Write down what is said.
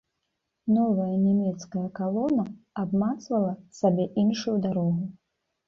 Новая нямецкая калона абмацвала сабе іншую дарогу.